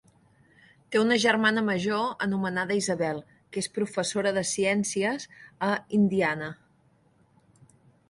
Té una germana major anomenada Isabel que és professora de ciències a Indiana.